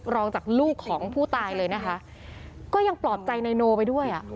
จากลูกของผู้ตายเลยนะคะก็ยังปลอบใจนายโนไปด้วยอ่ะ